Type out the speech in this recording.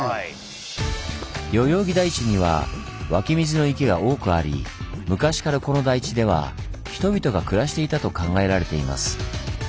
代々木台地には湧き水の池が多くあり昔からこの台地では人々が暮らしていたと考えられています。